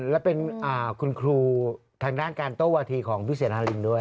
และเป็นคุณครูทางด้านการโต้วาธีของพี่เสนารินด้วย